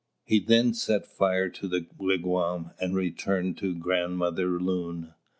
He then set fire to the wigwam and returned to Grandmother Loon.